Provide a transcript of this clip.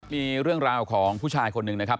มีเรื่องราวของผู้ชายคนหนึ่งนะครับ